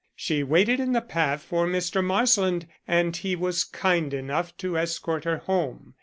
She waited in the path for Mr. Marsland and he was kind enough to escort her home.